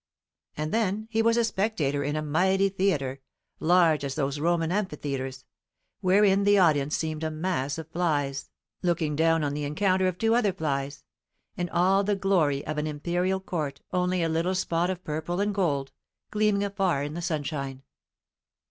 And then he was a spectator in a mighty theatre, large as those Roman amphitheatres, wherein the audience seemed a mass of flies, looking down on the encounter of two other flies, and all the glory of an imperial court only a little spot of purple and gold, gleaming afar in the sunshine.